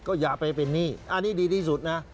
ก็อย่าไปเป็นหนี้อันนี้ดีที่สุดนะ